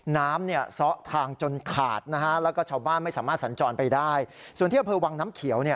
น้ำซะทางจนขาดและชาวบ้านไม่สามารถสันจรไปได้